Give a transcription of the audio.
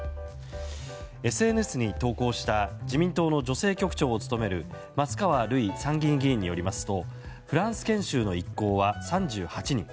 ＳＮＳに投稿した自民党の女性局長を務める松川るい参議院議員によりますとフランス研修の一行は３８人。